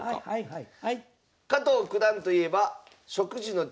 はい。